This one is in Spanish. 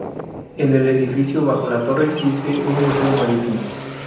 En el edificio bajo la torre existe un museo marítimo.